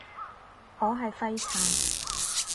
我係廢柴